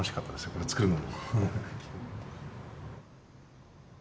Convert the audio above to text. これ作るの。